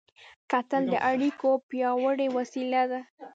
کتل د اړیکو پیاوړې وسیله ده